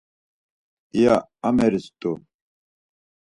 iya ameris rt̆u.